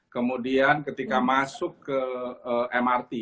kemudian ketika masuk ke mrt